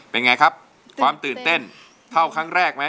เป็นไงครับความตื่นเต้นเท่าครั้งแรกไหม